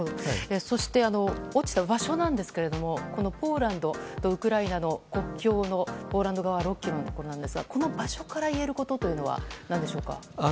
そして落ちた場所なんですがポーランドとウクライナの国境のポーランド側６ｋｍのところなんですがこの場所からいえることは何でしょうか？